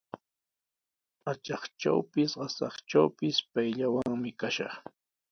Atraqtrawpis, qasatrawpis payllawanmi kashaq.